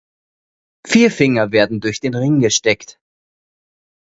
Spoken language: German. Vier Finger werden durch den Ring gesteckt.